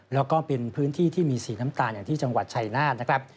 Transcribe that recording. แล้วก็เป็นพื้นที่ที่มีสีน้ำตาลอย่างที่จังหวัดชัยนาธนะครับ